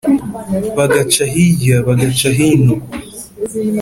bagaca hirya bagaca hino